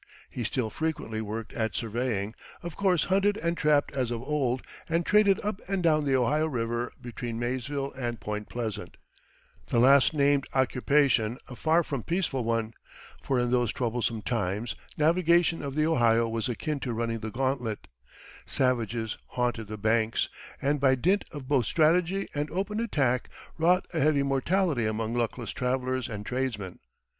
He still frequently worked at surveying, of course hunted and trapped as of old, and traded up and down the Ohio River between Maysville and Point Pleasant the last named occupation a far from peaceful one, for in those troublous times navigation of the Ohio was akin to running the gauntlet; savages haunted the banks, and by dint of both strategy and open attack wrought a heavy mortality among luckless travelers and tradesmen.